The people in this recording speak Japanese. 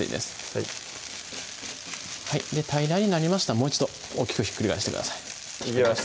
はい平らになりましたらもう一度大きくひっくり返してくださいいきます